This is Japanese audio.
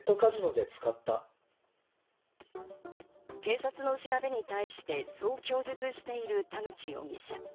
警察の調べに対してそう供述している田口容疑者。